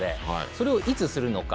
それをいつするのか。